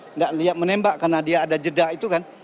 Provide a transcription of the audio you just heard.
tidak lihat menembak karena dia ada jeda itu kan